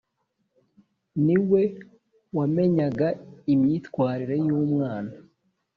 Ni we wa menyaga imyitwarire y’umwana